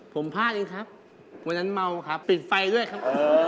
ผมพลาดเองครับวันนั้นเมาครับปิดไฟด้วยครับ